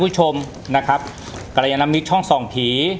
คุณผู้ชมนะครับกรยานมิตรช่องส่องผี